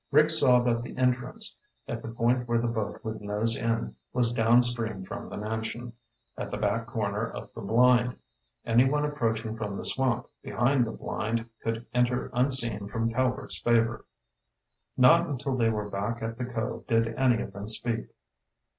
Rick saw that the entrance, at the point where the boat would nose in, was downstream from the mansion, at the back corner of the blind. Anyone approaching from the swamp behind the blind could enter unseen from Calvert's Favor. Not until they were back at the cove did any of them speak.